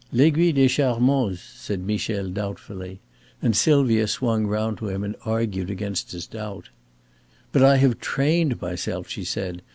"L'Aiguille des Charmoz," said Michel, doubtfully, and Sylvia swung round to him and argued against his doubt. "But I have trained myself," she said.